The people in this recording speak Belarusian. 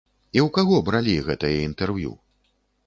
І ў каго бралі гэтае інтэрв'ю?